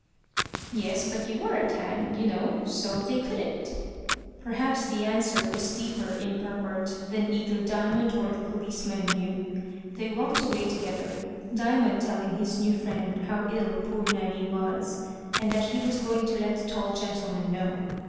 "Yes; but you were at hand, you know, so they couldn't." Perhaps the answer was deeper in purport than either Diamond or the policeman knew. They walked away together, Diamond telling his new friend how ill poor Nanny was, and that he was going to let the tall gentleman know.